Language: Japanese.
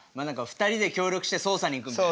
２人で協力してそうさに行くみたいな。